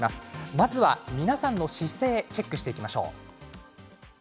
まずは皆さんの姿勢をチェックしていきましょう。